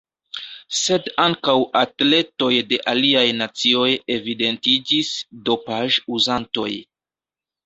Sed ankaŭ atletoj de aliaj nacioj evidentiĝis dopaĵ-uzantoj.